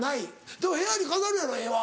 でも部屋に飾るやろ絵は。